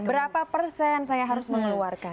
berapa persen saya harus mengeluarkan